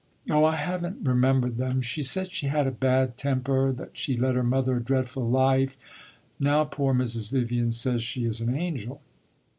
"Oh, I have n't remembered them. She said she had a bad temper that she led her mother a dreadful life. Now, poor Mrs. Vivian says she is an angel."